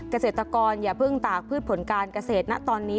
เกษตรกรอย่าเพิ่งตากพืชผลการเกษตรนะตอนนี้